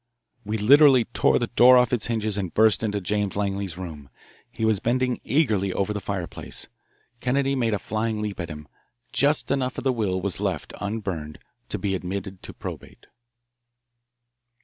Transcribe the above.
We literally tore the door off its hinges and burst into James Langley's room. He was bending eagerly over the fireplace. Kennedy made a flying leap at him. Just enough of the will was left unburned to be admitted to probate.